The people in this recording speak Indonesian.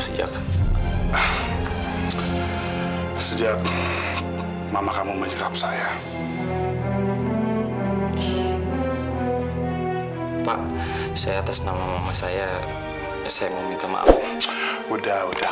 karena semua hal pasti mengingatkan aku sama non